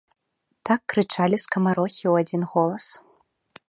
Так крычалі скамарохі ў адзін голас.